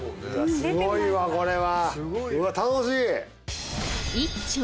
すごいわこれは。